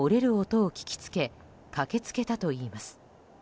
音を聞きつけ駆け付けたといいます。